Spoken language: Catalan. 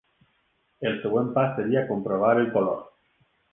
El següent pas seria comprovar el color.